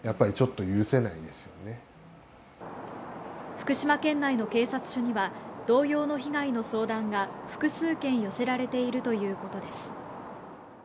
福島県内の警察署には同様の被害の相談が複数件寄せられているということです。